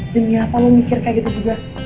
demi apa lo mikir kayak gitu juga